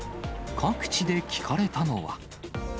各地で聞かれたのは。